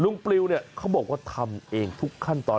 ลุงปลิวเขาบอกว่าทำเองทุกขั้นตอน